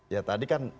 ya tadi kan